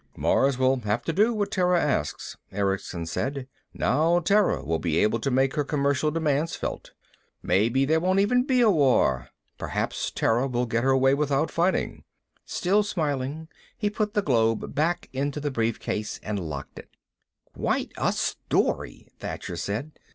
"Mars will have to do what Terra asks," Erickson said. "Now Terra will be able to make her commercial demands felt. Maybe there won't even be a war. Perhaps Terra will get her way without fighting." Still smiling, he put the globe back into the briefcase and locked it. "Quite a story," Thacher said.